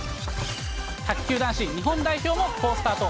卓球男子日本代表も好スタート。